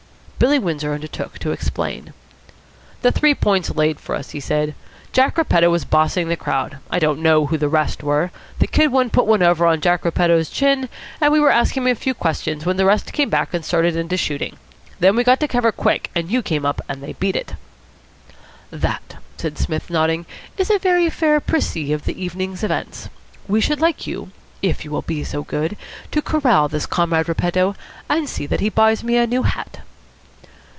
Billy Windsor undertook to explain. "The Three Points laid for us," he said. "Jack Repetto was bossing the crowd. I don't know who the rest were. The Kid put one over on to Jack Repetto's chin, and we were asking him a few questions when the rest came back, and started into shooting. Then we got to cover quick, and you came up and they beat it." "That," said Psmith, nodding, "is a very fair précis of the evening's events. We should like you, if you will be so good, to corral this Comrade Repetto, and see that he buys me a new hat."